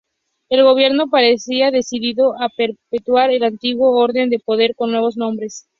El Gobierno parecía decidido a perpetuar el antiguo orden de poder con nuevos nombres.